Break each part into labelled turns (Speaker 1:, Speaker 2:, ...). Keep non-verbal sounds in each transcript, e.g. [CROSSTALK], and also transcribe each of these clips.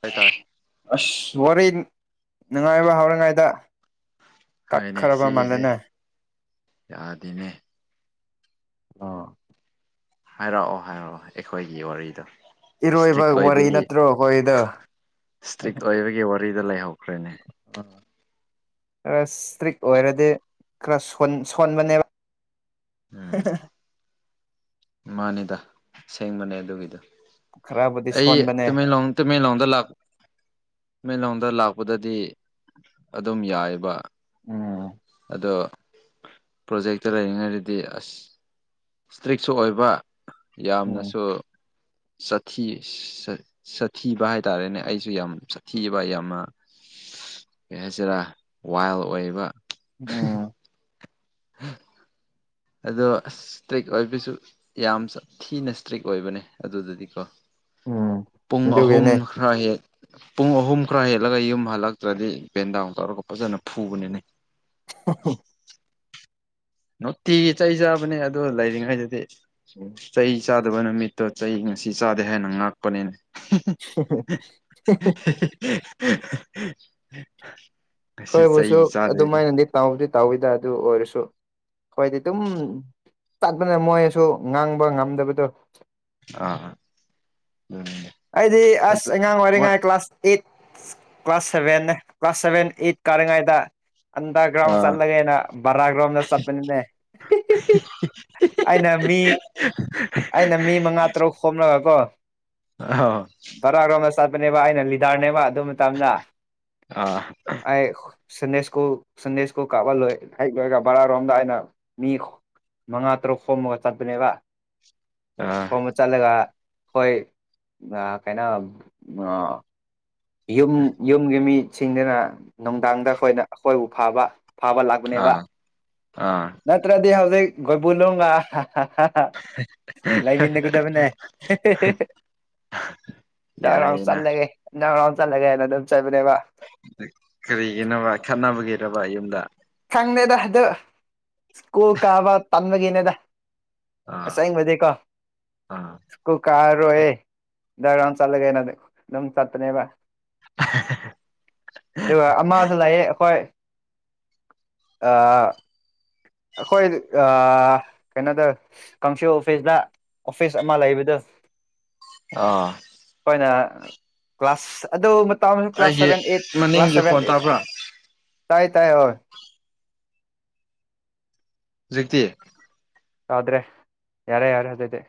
Speaker 1: ꯇꯥꯏ ꯇꯥꯏ
Speaker 2: ꯑꯁ ꯋꯥꯔꯤ ꯅꯨꯡꯉꯥꯏꯕ ꯍꯧꯥꯎꯔꯤꯉꯥꯏꯗ
Speaker 1: ꯍꯣꯏꯅꯦ ꯁꯤꯒꯤꯁꯦ ꯌꯥꯗꯤꯅꯦ
Speaker 2: ꯑꯥ
Speaker 1: ꯍꯥꯏꯔꯛꯑꯣ ꯍꯥꯏꯔꯛꯑꯣ ꯑꯩꯈꯣꯏꯒꯤ ꯋꯥꯔꯤꯗꯣ
Speaker 2: ꯏꯔꯣꯏꯕ
Speaker 1: ꯏꯁꯇ꯭ꯔꯤꯛ
Speaker 2: ꯋꯥꯔꯤ
Speaker 1: ꯑꯣꯏꯕꯒꯤ
Speaker 2: ꯅꯠꯇ꯭ꯔꯣ ꯑꯩꯈꯣꯏꯗꯣ
Speaker 1: ꯏꯁꯇ꯭ꯔꯤꯛ ꯑꯣꯏꯕꯒꯤ ꯋꯥ ꯔꯤꯗ ꯂꯩꯍꯧꯈ꯭ꯔꯦꯅꯦ
Speaker 2: ꯑ ꯈꯔ ꯏꯁꯇ꯭ꯔꯤꯛ ꯑꯣꯏꯔꯗꯤ ꯈꯔ ꯁꯣꯟꯕꯅꯦꯕ ꯎ
Speaker 1: ꯃꯥꯅꯦꯗ ꯁꯦꯡꯕꯅꯦ ꯑꯗꯨꯒꯤꯗꯣ
Speaker 2: ꯈꯔꯕꯨꯗꯤ
Speaker 1: ꯑꯩ
Speaker 2: ꯁꯣꯟꯕꯅꯦ
Speaker 1: ꯇꯃꯦꯡꯂꯣꯡ ꯇꯃꯦꯡꯂꯣꯡꯗ ꯂꯥꯛꯄ ꯃꯦꯟꯂꯣꯡꯗ ꯂꯥꯛꯄꯗꯗꯤ ꯑꯗꯨꯝ ꯌꯥꯏꯑꯕ
Speaker 2: ꯎꯝ
Speaker 1: ꯑꯗꯣ ꯄ꯭ꯔꯣꯖꯦꯛꯇ ꯂꯩꯔꯤꯉꯩꯗꯗꯤ ꯑꯁ ꯏꯁꯇ꯭ꯔꯤꯛꯁꯨ ꯑꯣꯏꯕ
Speaker 2: ꯎꯝ
Speaker 1: ꯌꯥꯝꯅꯁꯨ ꯊꯤ ꯁꯥꯊꯤꯕ ꯍꯥꯏ ꯇꯔꯦꯅꯦ ꯑꯩꯁꯨ ꯌꯥꯝ ꯁꯥꯊꯤꯕ ꯌꯥꯝꯅ
Speaker 2: [INAUDIBLE]
Speaker 1: ꯀ ꯍꯥꯏꯁꯤꯔꯥ ꯋꯥꯏꯜ ꯑꯣꯏꯕ
Speaker 2: ꯎꯝ
Speaker 1: ꯍ ꯑꯗꯣ ꯏꯁꯇ꯭ꯔꯤꯛ ꯑꯣꯏꯕꯁꯨ ꯌꯥꯝ ꯊꯤꯅ ꯏꯁꯇ꯭ꯔꯤꯛ ꯑꯣꯏꯕꯅꯦ ꯑꯗꯨꯗꯗꯤꯀꯣ
Speaker 2: ꯎꯝ
Speaker 1: ꯄꯨꯡ ꯑꯍꯨꯝ
Speaker 2: ꯑꯗꯨꯒꯤꯅꯦ
Speaker 1: ꯈꯔ ꯍꯦꯛ ꯄꯨꯡ ꯑꯍꯨꯝ ꯈꯔ ꯍꯦꯜꯂꯒ ꯌꯨꯝ ꯍꯜꯂꯛꯇ꯭ꯔꯗꯤ ꯕꯦꯟꯗꯥꯎꯟ ꯇꯧꯔꯒ ꯐꯖꯅ ꯐꯨꯕꯅꯤꯅꯦ
Speaker 2: [INAUDIBLE]
Speaker 1: ꯅꯨꯡꯇꯤꯒꯤ ꯆꯩ ꯆꯥꯕꯅꯦ ꯑꯗꯨ ꯂꯩꯔꯤꯉꯩꯗꯗꯤ ꯆꯩ ꯆꯥꯗꯕ ꯅꯨꯃꯤꯠꯇꯣ ꯆꯩ ꯉꯁꯤ ꯆꯥꯗꯦ ꯍꯥꯏꯅ ꯉꯥꯛꯄꯅꯤꯅ [INAUDIBLE]
Speaker 2: ꯍꯣꯏꯕꯨꯁꯨ ꯑꯗꯨꯃꯥꯏꯅꯗꯤ ꯇꯥꯎꯗꯤ ꯇꯥꯎꯋꯤꯗ ꯑꯗꯨ ꯑꯣꯏꯔꯁꯨ ꯍꯣꯏꯗꯤ ꯑꯗꯨꯝ ꯆꯠꯄꯅ ꯃꯣꯏꯁꯨ ꯉꯥꯡꯕ ꯉꯝꯗꯕꯗꯣ
Speaker 1: ꯑꯥ ꯑꯗꯨꯅꯤꯅꯦ
Speaker 2: ꯑꯩꯗꯤ ꯑꯁ
Speaker 1: ꯑꯗꯨ
Speaker 2: ꯑꯉꯥꯡ
Speaker 1: ꯃꯣꯏ
Speaker 2: ꯑꯣꯏꯔꯤꯉꯩ class eight class seven class seven eight ꯀꯥꯔꯤꯉꯩꯗ ꯑꯟꯗꯒ꯭ꯔꯥꯎꯝ
Speaker 1: ꯑꯥ
Speaker 2: ꯆꯠꯂꯒꯦꯩꯅ ꯕꯔꯥꯒ꯭ꯔꯥꯎꯝꯗ ꯆꯠꯄꯅꯤꯅꯦ ꯑꯩꯅ ꯃꯤ ꯑꯩꯅ ꯃꯤ ꯃꯉꯥ ꯇꯔꯨꯛ ꯍꯣꯅꯕꯅꯕꯀꯣ
Speaker 1: ꯑ
Speaker 2: ꯆꯠꯄꯅꯦꯕ ꯑꯩꯅ ꯂꯤꯗꯔꯅꯦꯕ ꯑꯗꯨ ꯃꯇꯝꯅ
Speaker 1: ꯑꯥ
Speaker 2: ꯑꯩ ꯁꯟꯗꯦꯁꯀꯨ ꯁꯟꯗꯦꯁꯀꯨ ꯀꯥꯞꯍ ꯂꯣꯏ ꯍ ꯂꯣꯏꯔꯒ ꯕꯔꯥꯔꯣꯝꯗ ꯑꯩꯅ ꯃꯤ ꯃꯉꯥ ꯇꯔꯨꯛ ꯁꯣꯝꯃꯒ ꯆꯠꯄꯅꯦꯕ
Speaker 1: ꯑꯥ
Speaker 2: ꯈꯣꯝꯝꯕ ꯆꯠꯂꯒ ꯍꯣꯏ ꯀꯩꯅꯣ ꯌꯨꯝ ꯌꯨꯝꯒꯤ ꯃꯤꯁꯤꯡꯗꯅ ꯅꯨꯡꯗꯥꯡꯗ ꯑꯩꯈꯣꯏꯅ ꯑꯩꯈꯣꯏꯕꯨ ꯐꯕ ꯐꯥꯕ ꯂꯥꯛꯄꯅꯦꯕ
Speaker 1: ꯑꯥ ꯑꯥ
Speaker 2: ꯅꯠꯇ꯭ꯔꯗꯤ ꯍꯧꯖꯤꯛ ꯒꯣꯏꯕꯨꯅꯨꯡꯒ ꯍꯥ ꯂꯩꯥꯏꯃꯤꯟꯟꯅꯒꯗꯕꯅꯦ ꯗ ꯔꯥꯎꯟ
Speaker 1: ꯌꯥꯏꯌꯦꯅ
Speaker 2: ꯆꯂꯒꯦ ꯗꯎ ꯔꯥꯎꯟ ꯆꯂꯒꯦ ꯑꯗꯨ
Speaker 1: ꯀꯔꯤꯒꯤꯅꯕ ꯈꯠꯅꯕꯒꯤꯔꯕ ꯌꯨꯝꯗ
Speaker 2: ꯈꯪꯗꯦꯗ ꯑꯗꯨ ꯁ꯭ꯀꯨꯜ ꯀꯥꯕ ꯇꯟꯥꯟꯕꯒꯤꯅꯦꯗ
Speaker 1: ꯑꯥ
Speaker 2: ꯑꯁꯥꯏ ꯃꯀ
Speaker 1: ꯑꯥ
Speaker 2: ꯀꯥ ꯔꯣꯍꯦ ꯗꯔ ꯆꯠꯂꯒꯦꯩꯅ ꯑꯗꯨꯝ ꯆꯠꯇꯅꯦꯕ ꯑꯗꯨꯒ ꯑꯃꯁꯨ ꯂꯥꯛꯑ ꯑꯩꯈꯣꯏ ꯑ ꯑꯩꯈꯣꯏ ꯀꯩꯅꯣꯗ ꯀꯥꯡꯁ ꯑꯣꯐꯤꯁꯇ ꯑꯣꯐꯤꯁ ꯑꯃ ꯂꯩꯕꯗ
Speaker 1: ꯑ
Speaker 2: ꯑꯩꯈꯣꯏꯅ ꯀ꯭ꯂꯥꯁ ꯑꯗꯨ ꯇ ꯀ꯭ꯂꯥꯁ
Speaker 1: ꯑꯩꯒꯤ
Speaker 2: ꯁꯚꯦꯟ ꯑꯩꯠ ꯀ꯭ꯂꯥꯁ
Speaker 1: ꯃꯅꯤꯡꯒꯤ
Speaker 2: ꯁꯚꯦꯟ
Speaker 1: ꯈꯣꯟ
Speaker 2: ꯑꯩꯠ
Speaker 1: ꯇꯥꯕ꯭ꯔꯥ
Speaker 2: ꯇꯥꯏ ꯇꯥꯏ ꯍ
Speaker 1: ꯍꯧꯖꯤꯛꯇꯛꯇ
Speaker 2: ꯌꯥꯗ꯭ꯔꯦ ꯌꯥꯔꯦ ꯌꯥꯔꯦ ꯑꯗꯨꯗꯤ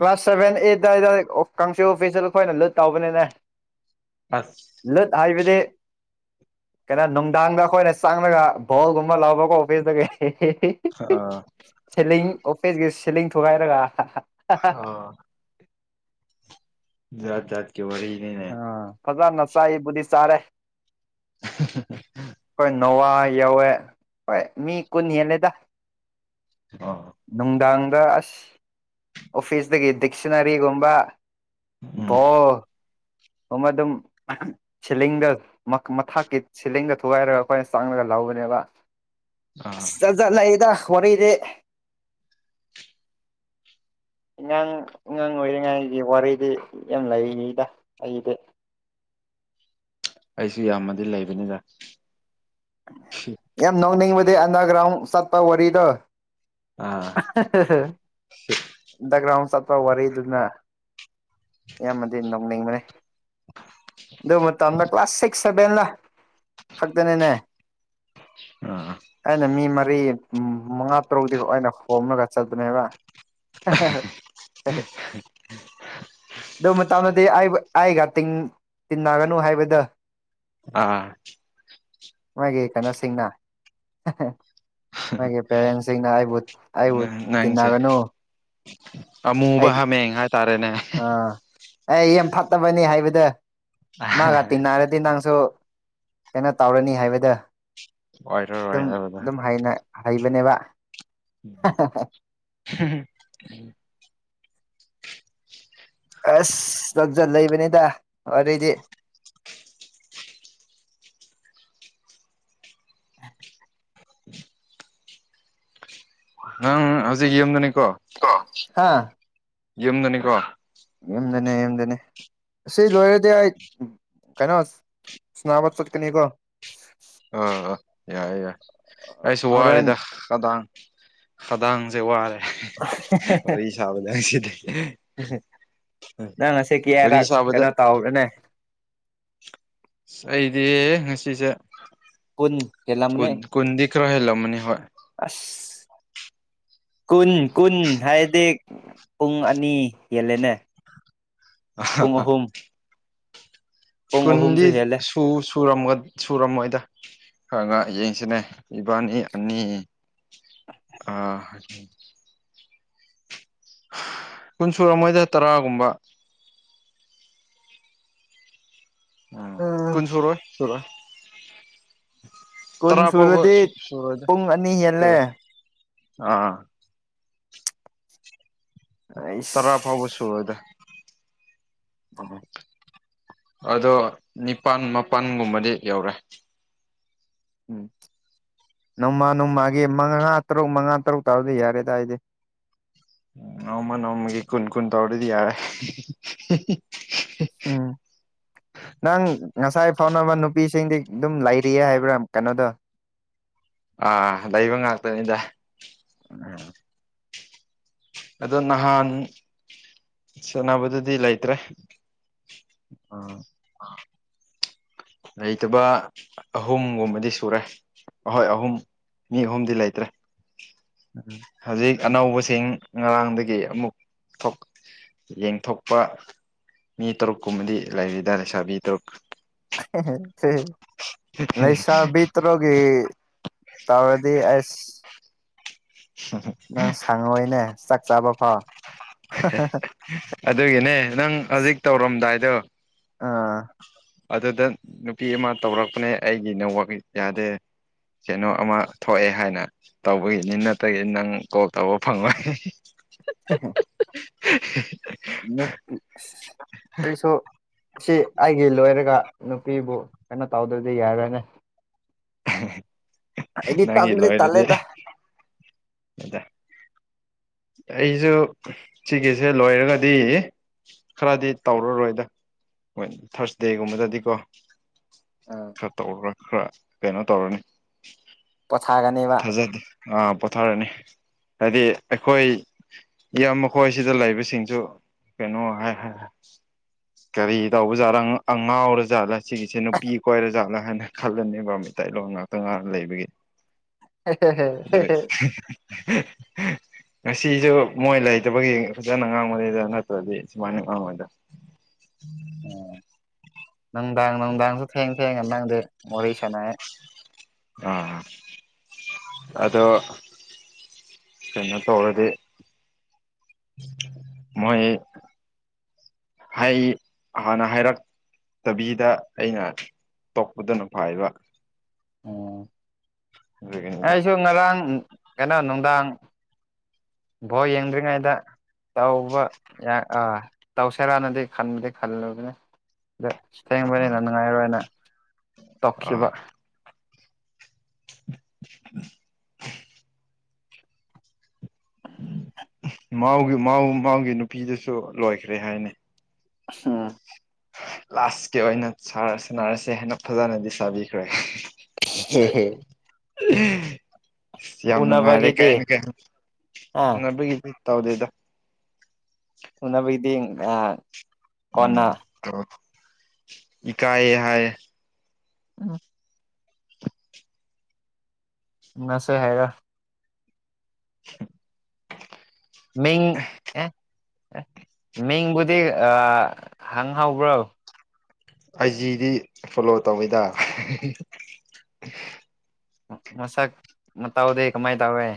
Speaker 2: ꯀ꯭ꯂꯥꯁ ꯁꯚꯦꯟ ꯑꯩꯠ ꯔꯦ ꯀꯥꯡꯆ ꯑꯣꯐꯤꯁꯇ ꯑꯩꯈꯣꯏꯅ ꯂꯨꯠ ꯇꯧꯕꯅꯤꯅꯦ
Speaker 1: ꯑꯁ
Speaker 2: ꯂꯨꯠ ꯍꯥꯏꯕ ꯇꯦ ꯀꯩꯅꯣ ꯅꯨꯡꯗꯥꯡꯗ ꯑꯩꯈꯣꯏꯅ ꯆꯪꯂꯉꯒ ꯚꯣꯜꯒꯨꯝꯕ ꯂꯕꯀꯣ ꯑꯣꯐꯤꯁꯇꯒꯤ
Speaker 1: ꯑꯥ
Speaker 2: ꯁꯤꯦꯂꯤꯡ ꯑꯣꯐꯤꯁꯒꯤ ꯁꯤꯦꯂꯤꯡ ꯊꯨꯒꯥꯏꯔꯒ
Speaker 1: ꯍ ꯌꯥꯖꯠ ꯌꯥꯖꯠ ꯀ ꯋꯥꯔꯤꯅꯦꯅꯦ
Speaker 2: ꯑꯥ ꯐꯖꯅ ꯆꯥꯏꯕꯨꯗꯤ ꯆꯥꯔꯦ ꯑꯩꯈꯣꯏ
Speaker 1: [UNINTELLIGIBLE]
Speaker 2: ꯅꯣꯋꯥ ꯌꯧꯋ ꯍ ꯃꯤ ꯀꯟ ꯌꯦꯂꯦꯗ
Speaker 1: ꯑꯣ
Speaker 2: ꯅꯨꯡꯗꯥꯡ ꯁ ꯑꯣꯐꯤꯁꯇꯒꯤ ꯗꯤꯛꯁꯅꯔꯤꯒꯨꯝꯕ
Speaker 1: ꯎꯝ
Speaker 2: ꯣ ꯑꯗꯨꯝ ꯁꯤꯂꯤꯡꯗ ꯃꯊꯀꯤ ꯁꯤꯂꯤꯡꯗ ꯊꯨꯒꯥꯏꯔꯒ ꯑꯩꯈꯣꯏꯅ ꯆꯥꯡꯉꯒ ꯂꯥꯎ ꯅꯦꯕ
Speaker 1: ꯑꯥ
Speaker 2: ꯆꯠ ꯆꯂꯗ ꯈꯔꯗ ꯑꯉꯥꯡ ꯑꯉꯥꯡ ꯑꯣꯏꯔꯤꯉꯩꯒꯤ ꯋꯥꯔꯤꯗꯤ ꯌꯥꯝ ꯂꯩꯔꯤꯗ ꯑꯩꯗꯤ [INAUDIBLE]
Speaker 1: ꯑꯩꯁꯨ ꯌꯥꯝꯃꯗꯤ ꯂꯩꯕꯅꯤꯗ
Speaker 2: ꯌꯥꯝ ꯅꯧꯅꯤꯡꯕꯗꯤ ꯑꯟꯗꯒ꯭ꯔꯥꯎꯟ ꯁꯥꯠꯄ ꯋꯥꯔꯤꯗꯣ
Speaker 1: ꯑꯥ
Speaker 2: ꯗꯒ꯭ꯔꯥꯎꯟ ꯆꯠꯄ ꯋꯥꯔꯤꯗꯨꯅ ꯌꯥꯝꯌꯥꯝꯕꯗꯤ ꯅꯧꯅꯤꯡꯕꯅꯤ ꯑꯗꯨ ꯃꯇꯝꯗ ꯀ꯭ꯂꯥꯁ ꯁꯤꯛꯁ ꯁꯚꯦꯟꯅ ꯈꯛꯇꯅꯤꯅꯦ
Speaker 1: ꯑꯥ
Speaker 2: ꯑꯩꯅ ꯃꯤ ꯃ ꯀꯔꯤ ꯃꯉꯥ ꯇꯔꯨꯛꯇꯛꯇ ꯑꯣꯏꯅ ꯍꯣꯝꯂꯒ ꯆꯠꯄꯅꯦꯕ ꯑꯗꯨ ꯃꯇꯥꯡꯗꯗꯤ ꯑꯩꯕ ꯑꯩꯒ ꯇꯤꯡ ꯇꯤꯟꯅꯒꯅꯨ ꯍꯥꯏꯕꯗ
Speaker 1: ꯑꯥ
Speaker 2: ꯃꯥꯒꯤ ꯀꯩꯅꯣꯁꯤꯡꯅ ꯃꯥꯒꯤ ꯄꯦꯔꯦꯟꯁꯤꯡꯅ ꯑꯩꯕꯨ
Speaker 1: ꯎ
Speaker 2: ꯑꯩꯕꯨ
Speaker 1: ꯅꯪꯁꯦ
Speaker 2: ꯇꯤꯟꯅꯒꯅꯨ
Speaker 1: ꯑ ꯃꯨꯕ
Speaker 2: ꯑꯩ
Speaker 1: ꯍꯥ ꯃꯦ ꯍꯥ ꯇꯔꯦꯅꯦ
Speaker 2: ꯑꯦ ꯌꯥꯝ ꯐꯠꯇꯕꯅꯤ ꯍꯥꯏꯕꯗ ꯃꯥꯒ ꯇꯤꯡꯟꯅꯔꯗꯤ ꯅꯪꯁꯨ ꯀꯩꯅꯣ ꯇꯧꯔꯅꯤ ꯍꯥꯏꯕꯗ
Speaker 1: ꯑꯣꯏꯔꯔꯣꯏ
Speaker 2: ꯑꯗꯨꯝ
Speaker 1: ꯍꯥꯏꯕꯗꯣ
Speaker 2: ꯑꯗꯨꯝ ꯍꯩꯕꯅꯦꯕ
Speaker 1: [UNINTELLIGIBLE]
Speaker 2: ꯑꯁ ꯇꯛꯁ ꯂꯩꯕꯅꯤꯗ ꯋꯥꯔꯤꯔꯗꯤ [UNINTELLIGIBLE]
Speaker 1: ꯑ ꯍꯧꯖꯤꯛ ꯌꯦꯗꯅꯤ
Speaker 2: ꯍꯥ
Speaker 1: ꯌꯨꯝꯗꯅꯤꯀꯣ
Speaker 2: ꯌꯦꯡꯗꯅꯦ ꯌꯦꯝꯗꯅꯦ ꯁꯤ ꯂꯣꯏꯔꯗꯤ ꯑꯩ ꯀꯩꯅꯣ ꯅꯥꯕ ꯆꯠꯀꯅꯤꯀꯣ
Speaker 1: ꯑ ꯑ ꯌꯥꯏꯦ ꯌꯥꯏ ꯑꯩꯁꯨ
Speaker 2: ꯍꯣꯔꯦꯟ
Speaker 1: ꯋꯥꯔꯤꯗ ꯀꯗꯥꯡ ꯈꯗꯥꯡꯁꯦ ꯋꯥꯔꯦ ꯋꯥꯔꯤ ꯁꯥꯕꯅꯦꯪ ꯁꯤꯗꯤ
Speaker 2: ꯅꯪ ꯉꯁꯤ
Speaker 1: ꯑꯣꯏ
Speaker 2: ꯀꯌꯥꯔꯛ
Speaker 1: ꯁꯕꯗ
Speaker 2: ꯀꯩꯅꯣ ꯇꯧꯕ꯭ꯔꯅꯦ
Speaker 1: ꯏꯗꯦ ꯉꯁꯤꯁꯦ
Speaker 2: ꯀꯣꯟ ꯀꯂ ꯃꯅꯦ
Speaker 1: ꯀꯨꯟ ꯀꯨꯟꯗꯤ ꯈꯔ ꯍꯦꯜꯂꯝꯃꯅꯤ ꯍꯣꯏ
Speaker 2: ꯑꯁ ꯀꯨꯟ ꯀꯨꯟ ꯍꯥꯏꯔꯗꯤ ꯄꯨꯡ ꯑꯅꯤ ꯌꯦꯜꯂꯦꯅꯦ
Speaker 1: ꯑ
Speaker 2: ꯄꯨꯡ ꯑꯍꯨꯝꯁꯨ
Speaker 1: ꯁꯨꯟꯗꯤ
Speaker 2: ꯍꯦꯜꯂꯦ
Speaker 1: ꯁꯨ ꯁꯨꯔꯝꯃꯣꯏꯗ ꯈ ꯉ ꯌꯦꯡꯁꯤꯅꯦ ꯏꯕꯥꯅꯤ ꯑꯅꯤ
Speaker 2: [INAUDIBLE]
Speaker 1: ꯑ ꯀꯨꯟ ꯁꯨꯔ ꯑꯃꯣꯏꯗ ꯇꯔꯥꯒꯨꯝꯕ ꯎꯝ ꯀꯨꯟ ꯁꯣꯏ ꯁꯣꯏ
Speaker 2: ꯀꯨꯟ
Speaker 1: ꯇꯔꯥꯄꯕ
Speaker 2: ꯁꯨꯔꯗꯤ
Speaker 1: ꯁꯨꯔꯗ
Speaker 2: ꯄꯨꯡ ꯑꯅꯤ ꯍꯦꯜꯂꯦ
Speaker 1: ꯑꯥ ꯇꯔꯥ
Speaker 2: ꯑꯩꯁ
Speaker 1: ꯐꯥꯎꯕ ꯁꯨ ꯑꯣꯏꯗ
Speaker 2: ꯍꯣꯏ
Speaker 1: ꯑꯗꯣ ꯅꯤꯄꯥꯜ ꯃꯥꯄꯜꯒꯨꯝꯕꯗꯤ ꯌꯧꯔꯦ
Speaker 2: ꯎꯝ ꯅꯣꯡꯃ ꯅꯣꯡꯃꯒꯤ ꯃꯉꯥ ꯇꯔꯨꯛ ꯃꯉꯥ ꯇꯔꯨꯛ ꯇꯥꯕꯗꯤ ꯌꯥꯔꯦ ꯇꯏꯗꯤ
Speaker 1: ꯑꯃ ꯅꯃꯒ ꯀꯨꯟ ꯀꯨꯟ ꯇꯧꯔꯗꯤ ꯌꯥ
Speaker 2: ꯎꯝ ꯅꯪ ꯉꯁꯥꯏ ꯐꯥꯎꯅꯕ ꯅꯨꯄꯤꯁꯤꯡꯗꯤ ꯑꯗꯨꯝ ꯂꯩꯔꯤꯌꯦ ꯍꯥꯏꯕ꯭ꯔꯥ ꯀꯩꯅꯣꯗꯣ
Speaker 1: ꯑꯥ ꯂꯩꯕ ꯉꯥꯛꯇꯅꯤꯗ ꯑꯗꯣ ꯅꯍꯥꯟ ꯁꯦꯅꯕꯗꯨꯗꯤ ꯂꯩꯇ꯭ꯔꯦ
Speaker 2: ꯑ [INAUDIBLE]
Speaker 1: ꯂꯩꯇꯕ ꯑꯍꯨꯝꯒꯨꯝꯕꯗꯤ ꯁꯨꯔꯦ ꯑꯍꯣꯏ ꯑꯍꯨꯝ ꯃꯤ ꯑꯍꯨꯝꯗꯤ ꯂꯩꯇ꯭ꯔꯦ
Speaker 2: ꯑꯗꯨ
Speaker 1: ꯍꯧꯖꯤꯛ ꯑꯅꯧꯕꯁꯤꯡ ꯉꯔꯥꯡꯗꯒꯤ ꯑꯃꯨꯛ ꯌꯦꯡꯊꯣꯛꯄ ꯃꯤ ꯇꯔꯨꯛꯀꯨꯝꯕꯗꯤ ꯂꯥꯏꯔꯤꯗ ꯂꯩꯁꯥꯕꯤ ꯇꯔꯨꯛ
Speaker 2: ꯁꯦ ꯂꯩꯁꯥꯕꯤ ꯇꯔꯨꯒꯤ ꯇꯥꯔꯗꯤ ꯑꯁ ꯅꯪ ꯁꯪꯉꯑꯣꯣꯏꯅꯦ ꯆꯥꯛ ꯆꯥꯕ ꯐꯥꯎ
Speaker 1: ꯑꯗꯨꯒꯤꯅꯦ ꯅꯪ ꯍꯧꯖꯤꯛ ꯇꯧꯔꯝꯗꯥꯏꯗꯣ
Speaker 2: ꯑꯥ
Speaker 1: ꯑꯗꯨꯗ ꯅꯨꯄꯤ ꯑꯃ ꯇꯧꯔꯛꯄꯅꯦ ꯑꯩꯒꯤ ꯅ ꯌꯥꯗꯦ ꯀꯩꯅꯣ ꯑꯃ ꯊꯣꯛꯑꯦ ꯍꯥꯏꯅ ꯇꯧꯕꯒꯤꯅꯤ ꯅꯠꯇ꯭ꯔꯒꯤꯗꯤ ꯅꯪ ꯀꯣꯜ ꯇꯧꯕ ꯐꯪꯣꯏ
Speaker 2: [INAUDIBLE]
Speaker 1: [INAUDIBLE]
Speaker 2: ꯑꯩꯁꯨ ꯁꯤ ꯑꯩꯒꯤ ꯂꯣꯏꯔꯒ ꯅꯨꯄꯤꯕꯨ ꯀꯩꯅꯣ ꯇꯧꯗ꯭ꯔꯗꯤ ꯌꯥꯔꯣꯏꯅꯦ ꯑꯩꯗꯤ
Speaker 1: ꯅꯪ ꯏꯂ
Speaker 2: ꯇꯟꯕꯨꯗꯤ
Speaker 1: ꯑꯣꯏꯗꯤꯦ
Speaker 2: ꯇꯜꯂꯦꯗ
Speaker 1: ꯑꯗ ꯑꯩꯁꯨ ꯁꯤꯒꯤꯁꯦ ꯂꯣꯏꯔꯒꯗꯤ ꯈꯔꯗꯤ ꯇꯧꯔꯔꯣꯏꯗꯣꯏ ꯊꯥꯔꯁꯗꯦꯒꯨꯝꯕꯗꯗꯤꯀꯣ ꯈꯔ ꯇꯧ꯭ꯔ ꯈꯔ ꯀꯩꯅꯣ ꯇꯧꯔꯅꯤ
Speaker 2: ꯄꯊꯥꯒꯅꯦꯕ
Speaker 1: ꯊꯥꯖꯗꯦ ꯑꯥ ꯄꯣꯊꯥꯔꯅꯤ ꯍꯥꯏꯗꯤ ꯑꯩꯈꯣꯏ ꯌꯥꯝ ꯃꯈꯣꯏꯁꯤꯗ ꯂꯩꯕꯁꯤꯡꯁꯨ ꯀꯩꯅꯣ ꯍꯥꯏ ꯍꯥꯏ ꯀꯔꯤ ꯇꯧꯕꯖꯥꯠ ꯉꯥꯎꯔ ꯖꯥꯠꯂ ꯁꯤꯒꯤꯁꯦ ꯅꯨꯄꯤ ꯀꯣꯏꯔ ꯖꯥꯠꯂꯥ ꯍꯥꯏꯅ ꯈꯜꯂꯅꯦꯕ ꯃꯇꯩꯂꯣꯟ ꯉꯥꯛꯇ ꯉꯥꯅ ꯂꯩꯕꯒꯤ ꯑꯗꯨ ꯉꯁꯤꯁꯨ ꯃꯣꯏ ꯂꯩꯇꯕꯒꯤ ꯐꯖꯅ ꯉꯥꯡꯕꯉꯩꯗ ꯅꯠꯇ꯭ꯔꯗꯤ ꯁꯨꯃꯥꯏꯅ ꯉꯥꯡꯉꯣꯏꯗ
Speaker 2: [INAUDIBLE] ꯎꯝ ꯅꯨꯡꯗꯥꯡ ꯅꯨꯡꯗꯥꯡꯁꯨ ꯊꯦꯡ ꯊꯦꯡꯉ ꯅꯪꯗ ꯃꯣꯔꯦ ꯁꯅꯍꯦꯛ
Speaker 1: ꯑꯥ ꯑꯗꯣ ꯀꯩꯅꯣ ꯇꯧꯔꯗꯤ ꯃꯣꯏ ꯍꯥꯏ ꯍꯥꯟꯅ ꯍꯥꯏꯔꯛ ꯇꯕꯤꯗ ꯑꯩꯅ ꯇꯣꯛꯄꯗ ꯐꯥꯏꯕ
Speaker 2: ꯎꯝ
Speaker 1: ꯑꯗꯨꯒꯤꯅꯤꯗ
Speaker 2: ꯑꯩꯁꯨ ꯉꯔꯥꯡ ꯀꯩꯅꯣ ꯅꯨꯡꯗꯥꯡ ꯕꯣ ꯌꯦꯡꯗ꯭ꯔꯤꯉꯩꯗ ꯇꯧꯕ ꯌꯥ ꯑꯥ ꯇꯧꯁꯔꯅꯗꯤ ꯈꯟꯕꯗꯤ ꯈꯜꯂꯨꯗꯅ ꯗ ꯊꯦꯡꯕꯅꯤꯅ ꯅꯨꯡꯉꯥꯏꯔꯣꯏꯅ ꯇꯧꯈꯤꯕ
Speaker 1: ꯑ ꯃꯥꯒꯤ ꯃꯥ ꯃꯥꯒꯤ ꯅꯨꯄꯤꯗꯨꯁꯨ ꯂꯣꯏꯈ꯭ꯔꯦ ꯍꯥꯏꯅꯤ
Speaker 2: ꯑ
Speaker 1: ꯂꯥꯁꯀꯤ ꯑꯣꯏꯅ ꯁꯥꯟꯅꯔꯁꯦ ꯍꯥꯏꯦꯟꯅ ꯐꯖꯅꯗꯤ ꯆꯥꯕꯤꯈ꯭ꯔꯦ
Speaker 2: ꯍꯝ ꯍꯝ
Speaker 1: ꯑ ꯌꯥꯝ ꯅꯨꯡꯉꯥꯏꯔꯦ ꯀꯥꯏꯅ
Speaker 2: ꯎꯅꯕꯒꯤꯗꯤ
Speaker 1: ꯀꯥꯏ
Speaker 2: ꯑꯥ
Speaker 1: ꯅꯨꯡꯉꯥꯏꯕꯒꯤꯗꯤ ꯇꯧꯗꯦꯗ
Speaker 2: ꯎꯅꯕꯒꯤꯗꯤ ꯑ ꯀꯣꯟꯅ
Speaker 1: ꯏꯀꯥꯏ ꯍꯥꯏ
Speaker 2: ꯎꯝ ꯉꯁ ꯍꯥꯏꯔ
Speaker 1: [UNINTELLIGIBLE]
Speaker 2: ꯃꯤꯡ ꯑꯦ ꯑꯦ ꯃꯤꯡꯕꯨꯗꯤ ꯍꯪꯍꯧꯕ꯭ꯔꯣ
Speaker 1: ꯑꯩꯖꯤꯗꯤ ꯐꯣꯂꯣ ꯇꯧꯋꯤꯗ
Speaker 2: ꯃꯁꯛ ꯃꯇꯥꯎꯗꯤ ꯀꯃꯥꯏ ꯇꯧꯋꯦ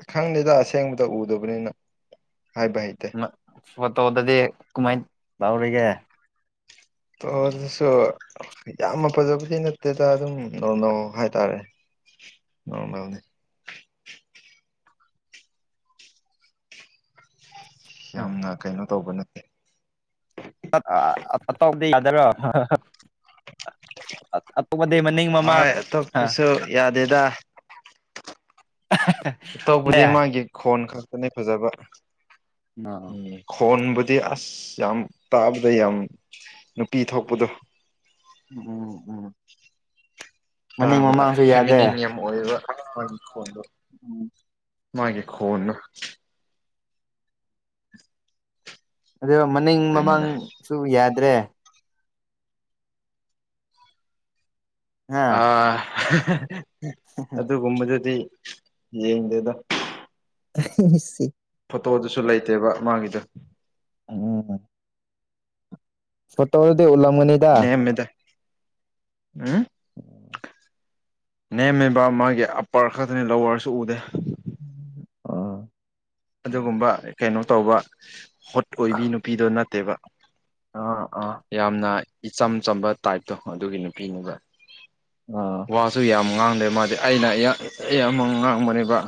Speaker 1: ꯑ ꯈꯪꯗꯦꯗ ꯑꯁꯦꯡꯕꯗ ꯎꯗꯕꯅꯤꯅ ꯍꯥꯏꯕ ꯍꯩꯇꯦ
Speaker 2: ꯣ ꯇꯧꯗꯗꯤ ꯀꯃꯥꯏꯅ ꯇꯧꯔꯤꯒꯦ
Speaker 1: ꯇꯧ ꯑꯗꯨꯁꯨ ꯌꯥꯝꯅ ꯐꯖꯕꯗꯤ ꯅꯠꯇꯦꯗ ꯑꯗꯨꯝ ꯅꯣꯔꯃꯦꯜ ꯍꯥꯏꯇꯥꯔꯦ ꯅꯣꯔꯃꯦꯜꯅꯤ ꯌꯥꯝꯅ ꯀꯩꯅꯣ ꯇꯧꯕ ꯅꯠꯇꯦ
Speaker 2: ꯗꯤ ꯌꯥꯔꯣ ꯑꯗꯩ ꯃꯅꯤꯡ ꯃꯃꯥꯡ
Speaker 1: ꯍꯣꯏ ꯑꯇꯣꯞꯄꯁꯨ ꯌꯥꯗꯦꯗ
Speaker 2: ꯅꯦ
Speaker 1: ꯇꯧꯕꯗꯤ ꯃꯥꯒꯤ ꯈꯣꯟ ꯈꯛꯇꯅꯦ ꯐꯖꯕ ꯎꯝ ꯈꯣꯟꯕꯨꯗꯤ ꯑꯗꯨꯗꯤ ꯑꯁ ꯌꯥꯝ ꯇꯥꯕꯗ ꯌꯥꯝ ꯅꯨꯄꯤ ꯊꯣꯛꯄꯗꯣ
Speaker 2: ꯎꯝ ꯎꯝ ꯃꯅꯤꯡ
Speaker 1: ꯇꯥꯕꯗ
Speaker 2: ꯃꯃꯥꯡꯁꯨ ꯌꯥꯗꯦ
Speaker 1: ꯐꯦꯃꯤꯅꯤꯟ ꯌꯥꯝ ꯑꯣꯏꯕꯣꯟ
Speaker 2: ꯎꯝ
Speaker 1: ꯃꯥꯒꯤꯦ ꯈꯣꯟ
Speaker 2: ꯑꯗꯣ ꯃꯅꯤꯡ
Speaker 1: ꯑꯗꯨꯅꯤꯗ
Speaker 2: ꯃꯃꯥꯡꯁꯨ ꯌꯥꯗ꯭ꯔꯦ
Speaker 1: ꯑ
Speaker 2: ꯍꯥ
Speaker 1: ꯑꯗꯨꯒꯨꯝꯕꯗꯨꯗꯤ ꯌꯦꯗꯗ
Speaker 2: [INAUDIBLE]
Speaker 1: ꯐꯣꯇꯣꯗꯨꯁꯨ ꯂꯩꯇꯦꯕ ꯃꯥꯒꯤꯗ
Speaker 2: ꯎꯝ ꯐꯣꯇꯣꯗꯤ ꯎꯜꯂꯝ ꯃꯅꯤꯗ
Speaker 1: ꯑ
Speaker 2: ꯎꯝ
Speaker 1: ꯅꯦꯝꯃꯦꯕ ꯃꯥꯒꯤ ꯑꯞꯄꯔ ꯈꯛꯇꯅꯦ ꯂꯋꯥꯔꯁꯨ ꯎꯗꯦ
Speaker 2: ꯑꯥ
Speaker 1: ꯑꯗꯨꯒꯨꯝꯕ ꯀꯩꯅꯣ ꯇꯧꯕ ꯍꯣꯠ ꯑꯣꯏꯕꯤ ꯅꯨꯄꯤꯗꯣ ꯅꯠꯇꯦꯕ
Speaker 2: ꯑꯣ ꯑꯣ
Speaker 1: ꯌꯥꯝꯅ ꯏꯆꯝ ꯆꯝꯕ ꯇꯥꯏꯞꯇꯣ ꯑꯗꯨꯒꯤ ꯅꯨꯄꯤꯅꯤꯗ
Speaker 2: ꯑꯣ
Speaker 1: ꯋꯥꯁꯨ ꯌꯥꯝ ꯉꯥꯡꯗꯦ ꯃꯥꯗꯤ ꯑꯩꯅ ꯌꯥꯝ ꯉꯥꯡꯕꯅꯦꯕ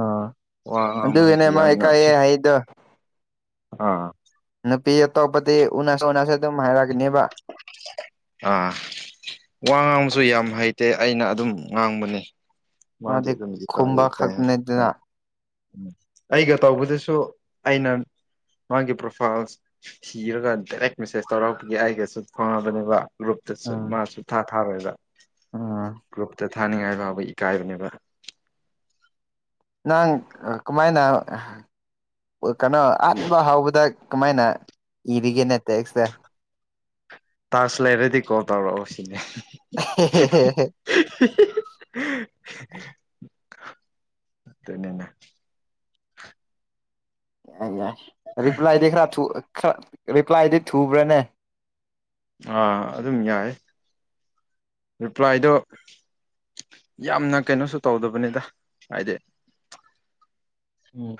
Speaker 2: ꯑ
Speaker 1: ꯋꯥ ꯉꯥꯡꯕ
Speaker 2: ꯑꯗꯨꯅꯦ
Speaker 1: ꯍꯥꯏꯁꯤ
Speaker 2: ꯃꯥꯀ
Speaker 1: ꯌꯥꯝꯅ
Speaker 2: ꯍꯥꯏꯗ
Speaker 1: ꯑꯥ
Speaker 2: ꯄꯤ ꯇ ꯄ ꯎꯅꯥꯁꯣ ꯎꯅꯥꯁꯦꯗ ꯃꯥꯔꯥꯒꯅꯦꯕ
Speaker 1: ꯑꯥ ꯋꯥ ꯉꯥꯡꯕꯁꯨ ꯌꯥꯝ ꯍꯩꯇꯦ ꯑꯩꯅ ꯑꯗꯨꯝ ꯉꯥꯡꯕꯅꯦ ꯃꯥꯗꯤ ꯑꯗꯨꯗꯤ ꯀ
Speaker 2: ꯈꯨꯝꯕ
Speaker 1: ꯀꯥꯏ
Speaker 2: ꯈꯛꯇꯅꯤꯗꯅ
Speaker 1: ꯑꯩꯒ ꯇꯧꯕꯗꯁꯨ ꯑꯩꯅ ꯃꯥꯒꯤ ꯄ꯭ꯔꯣꯐꯥꯏꯜ ꯁꯤꯔꯒ ꯗꯥꯏꯔꯦꯛ ꯃꯦꯁꯦꯁ ꯇꯧꯔꯛꯄꯒꯤ ꯑꯥꯏꯒꯁꯨ ꯐꯪꯉꯕꯅꯦꯕ ꯒ꯭ꯔꯨꯞꯇꯁꯨ ꯃꯥꯁꯨ ꯊꯥ ꯊꯥꯔꯣꯏꯗ
Speaker 2: ꯑꯥ
Speaker 1: ꯊꯥꯅꯤꯡꯉꯥꯏ ꯐꯥꯎꯕ ꯏꯀꯥꯏꯕꯅꯦꯕ
Speaker 2: ꯅꯪ ꯀꯃꯥꯏꯅ ꯀꯩꯅꯣ ꯑꯍꯥꯟꯕ ꯍꯥꯎꯕꯗ ꯀꯃꯥꯏꯅ ꯏꯔꯤꯒꯦꯅꯦ ꯇꯦꯛꯁꯁꯦ [INAUDIBLE]
Speaker 1: ꯇꯔꯁꯤ ꯂ ꯔꯦꯗꯤ ꯀꯣ ꯇꯔꯣ ꯑꯣ ꯁꯤꯅꯦ
Speaker 2: [UNINTELLIGIBLE]
Speaker 1: ꯅꯟꯅ
Speaker 2: ꯌꯥꯏ ꯌꯥꯏ ꯔꯤꯄ꯭ꯂꯥꯏꯗꯤ ꯈꯔꯔ ꯔꯤꯄ꯭ꯂꯥꯏꯗꯤ ꯊꯨꯕ꯭ꯔꯥꯅꯦ
Speaker 1: ꯑꯥ ꯑꯗꯨꯝ ꯌꯥꯏ ꯔꯤꯄ꯭ꯂꯥꯏꯗꯣ ꯌꯥꯝꯅ ꯀꯩꯅꯣꯁꯨ ꯇꯧꯗꯕꯅꯤꯗ ꯍꯥꯏꯗꯤ
Speaker 2: ꯎꯝ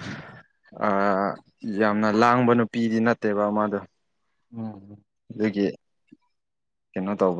Speaker 1: ꯌꯥꯝꯅ ꯂꯥꯡꯕ ꯅꯨꯄꯤꯗꯤ ꯅꯠꯇꯦꯕ ꯃꯥꯗꯣ
Speaker 2: ꯎꯝ
Speaker 1: ꯑꯗꯨꯒꯤ ꯀꯩꯅꯣ ꯇꯧꯕ